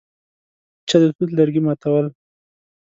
چا د توت لرګي ماتول.